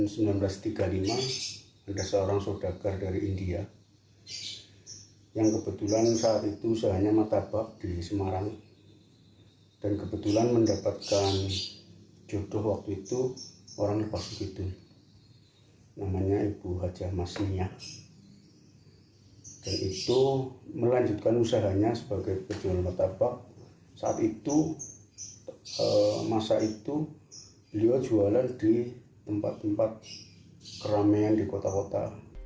sebenarnya sebagai pejualan martabak saat itu masa itu beliau jualan di tempat tempat keramaian di kota kota